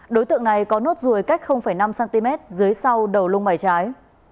đối tượng này có nốt ruồi cách năm cm dưới sau đầu lông mảy trái